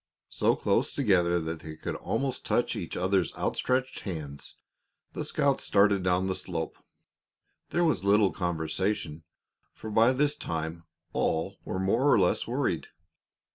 So close together that they could almost touch each other's outstretched hands, the scouts started down the slope. There was little conversation, for by this time all were more or less worried.